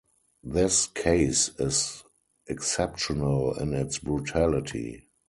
This case is exceptional in its brutality.